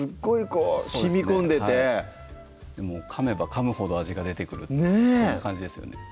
こうしみこんでてかめばかむほど味が出てくるっていう感じですね